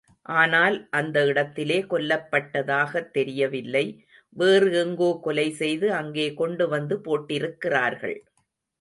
ஆனால் அந்த இடத்திலே கொல்லப்பட்டதாகத் தெரியவில்லை, வேறு எங்கோ கொலைசெய்து அங்கே கொண்டுவந்து போட்டிருக்கிறார்கள்.